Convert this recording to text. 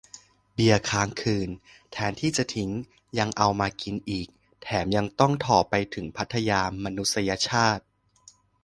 เบียร์ค้างคืน แทนที่จะทิ้ง ยังเอามากินอีก แถมยังต้องถ่อไปถึงพัทยา มนุษยชาติ